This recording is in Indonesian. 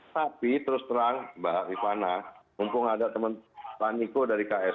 tapi terus terang mbak ivana mumpung ada teman paniko dari ks